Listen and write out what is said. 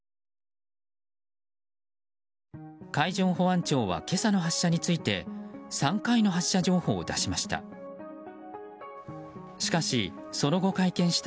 海上保安庁は今朝の発射について３回の発射情報を出しました。